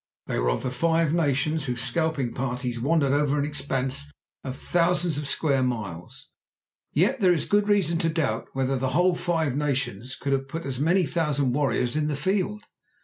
They were of the Five Nations, whose scalping parties wandered over an expanse of thousands of square miles. Yet there is good reason to doubt whether the whole five nations could have put as many thousand warriors in the field.